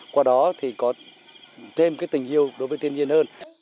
qua đó thì có thêm cái tình yêu đối với thiên nhiên hơn